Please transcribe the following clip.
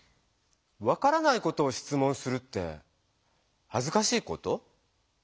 分からないことを質問するってはずかしいこと？